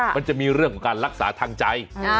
มันจะมีเรื่องของการรักษาทางใจ